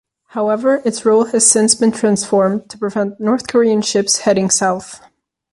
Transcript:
However, its role has since been transformed to prevent North Korean ships heading south.